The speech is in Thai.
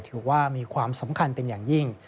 ถือว่ามีความสำคัญเป็นอย่างยิ่ง